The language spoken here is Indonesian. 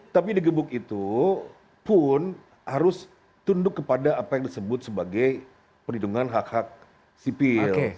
tapi digebuk itu pun harus tunduk kepada apa yang disebut sebagai perlindungan hak hak sipil